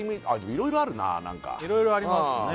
いろいろあるな何かいろいろありますね